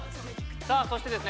さあそしてですね